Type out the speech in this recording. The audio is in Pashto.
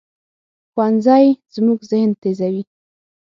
ښوونځی زموږ ذهن تیزوي